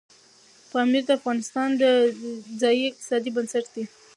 پامیر د افغانستان د ځایي اقتصادونو بنسټ دی.